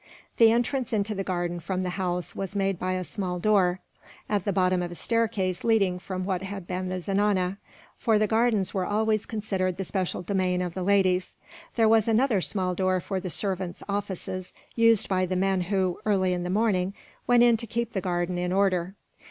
The entrance into the garden from the house was made by a small door, at the bottom of a staircase leading from what had been the zenana, for the gardens were always considered the special domain of the ladies. There was another small door for the servants' offices, used by the men who, early in the morning, went in to keep the garden in order.